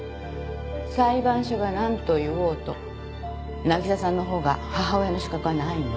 裁判所がなんと言おうと凪咲さんのほうが母親の資格はないの。